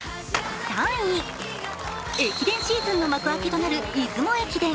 駅伝シーズンの幕開けとなる出雲駅伝。